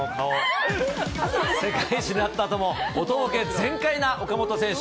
世界一になったあともおとぼけ全開な岡本選手。